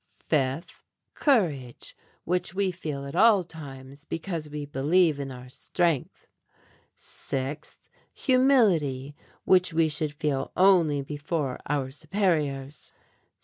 Fifth, courage, which we feel at all times because we believe in our strength. Sixth, humility, which we should feel only before our superiors.